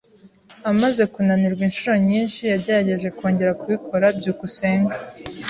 Amaze kunanirwa inshuro nyinshi, yagerageje kongera kubikora. byukusenge